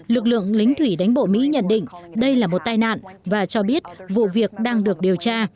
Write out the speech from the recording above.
lực lượng lính thủy đánh bộ mỹ nhận định đây là một tai nạn và cho biết vụ việc đang được điều tra